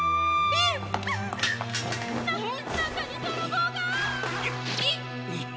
えっ？